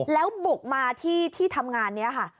แล้วบุกมาที่ทำงานนี้ค่ะ